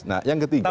nah yang ketiga